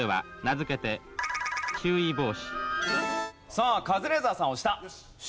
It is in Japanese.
さあカズレーザーさん押した。